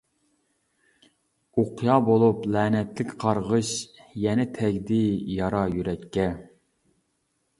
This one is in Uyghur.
ئوقيا بولۇپ لەنەتلىك قارغىش، يەنە تەگدى يارا يۈرەككە.